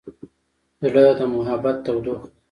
زړه د محبت تودوخه ده.